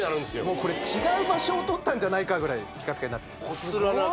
もうこれ違う場所を撮ったんじゃないかぐらいピカピカになってます